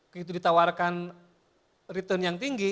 begitu ditawarkan return yang tinggi